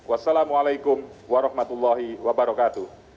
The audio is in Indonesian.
assalamualaikum warahmatullahi wabarakatuh